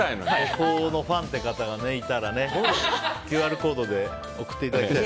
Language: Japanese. ここのファンっていう方がいたらね、ＱＲコードで送っていただいて。